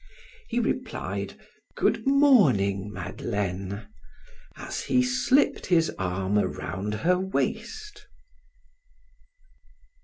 He replied: "Good morning, Madeleine," as he slipped his arm around her waist.